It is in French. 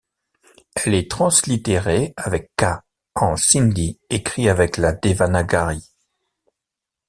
Elle est translittérée avec kha en sindhi écrit avec la devanagari.